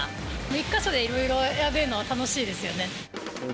１か所でいろいろ選べるのは楽しいですよね。